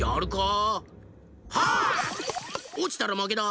おちたらまけだ。